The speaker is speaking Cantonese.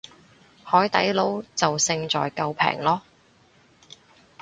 海底撈就勝在夠平囉